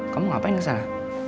kamu ngapain kesana